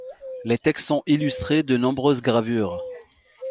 Les textes sont illustrés de nombreuses gravures.